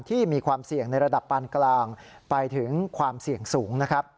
มีความเสี่ยงในระดับปานกลางไปถึงความเสี่ยงสูงนะครับ